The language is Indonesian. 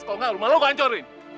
kalo engga rumah lu gua hancurin